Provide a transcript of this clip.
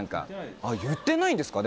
言ってないんですか？